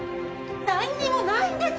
何にもないんですか？